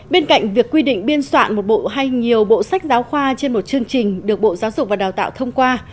bên cạnh việc quy định biên soạn một bộ hay nhiều bộ sách giáo khoa trên một chương trình được bộ giáo dục và đào tạo thông qua